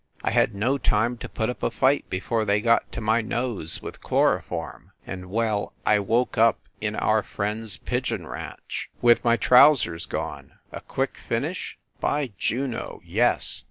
I had no time to put up a fight before they got to my nose with chloroform and well, I woke up in our friend s pigeon ranch, 94 FIND THE WOMAN with my trousers gone. A quick finish? By Juno! Yes!